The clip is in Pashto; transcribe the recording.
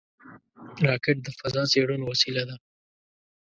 راکټ د فضا څېړنو وسیله ده